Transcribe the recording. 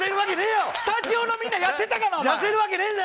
スタジオのみんなやってたからな。